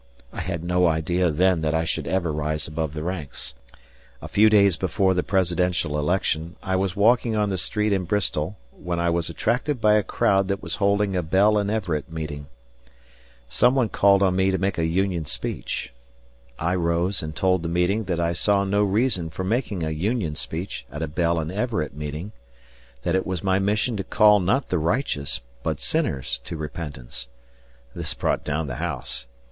I had no idea then that I should ever rise above the ranks. A few days before the presidential election, I was walking on the street in Bristol when I was attracted by a crowd that was holding a Bell and Everett meeting. Some one called on me to make a Union speech. I rose and told the meeting that I saw no reason for making a Union speech at a Bell and Everett meeting; that it was my mission to call not the righteous, but sinners, to repentance. This "brought down the house."